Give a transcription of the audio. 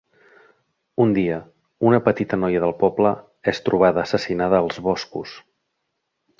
Un dia, una petita noia del poble és trobada assassinada als boscos.